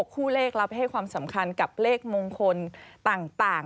คู่เลขรับให้ความสำคัญกับเลขมงคลต่าง